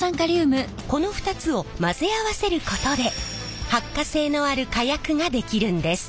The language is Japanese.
この２つを混ぜ合わせることで発火性のある火薬が出来るんです。